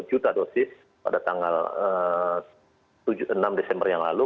dua puluh juta dosis pada tanggal enam desember yang lalu